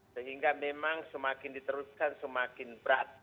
sehingga memang semakin diteruskan semakin berat